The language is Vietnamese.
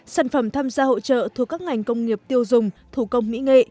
sản phẩm tham gia hội trợ thuộc các ngành công nghiệp tiêu dùng thủ công mỹ nghệ